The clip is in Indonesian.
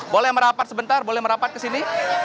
boleh merapat sebentar boleh merapat ke sini